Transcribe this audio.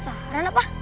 jadi luar sana oke